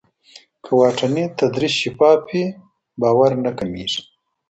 که واټني تدریس شفاف وي، باور نه کمېږي.